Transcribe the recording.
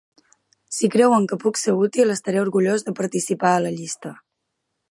Si creuen que puc ser útil estaré orgullós de participar a la llista.